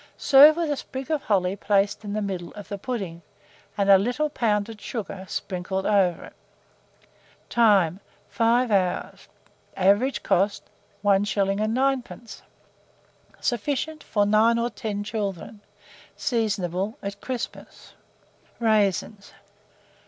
Serve with a sprig of holly placed in the middle of the pudding, and a little pounded sugar sprinkled over it. Time. 5 hours. Average cost, 1s. 9d. Sufficient for 9 or 10 children. Seasonable at Christmas. RAISINS.